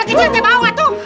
kecil kecil bawa tuh